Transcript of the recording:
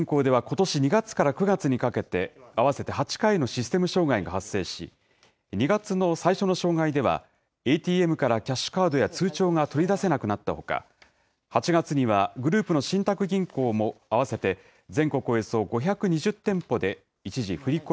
みずほ銀行ではことし２月から９月にかけて、合わせて８回のシステム障害が発生し、２月の最初の障害では、ＡＴＭからキャッシュカードや通帳が取り出せなくなったほか、８月にはグループの信託銀行も、合わせて全国